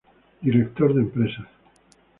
Director de empresas.